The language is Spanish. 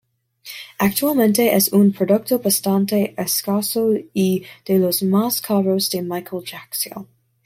Actualmente es un producto bastante escaso y de los más caros de Michael Jackson.